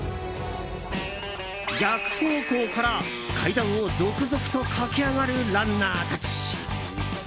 逆方向から、階段を続々と駆け上がるランナーたち。